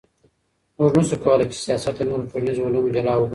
موږ نسو کولای چي سياست له نورو ټولنيزو علومو جلا وګڼو.